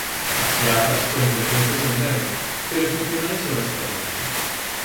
As xeadas son frecuentes no inverno, pero excepcionais o resto do ano.